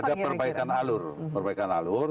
ada perbaikan alur perbaikan alur